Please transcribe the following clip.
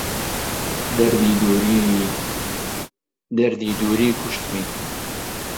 دەردی دووری... دەردی دووری کوشتمی